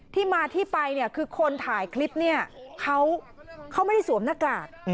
ที่มาที่ไปเนี่ยคือคนถ่ายคลิปเนี่ยเขาไม่ได้สวมหน้ากาก